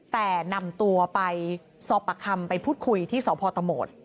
แต่นำตัวไปสอบประคำไปพูดคุยที่สพตโหมด